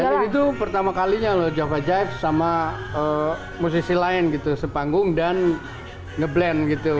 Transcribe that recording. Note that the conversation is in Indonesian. dan itu pertama kalinya loh java jive sama musisi lain gitu sepanggung dan ngeblend gitu